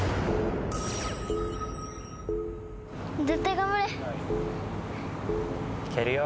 頑張れ！いけるよ。